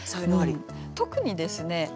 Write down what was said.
特にですね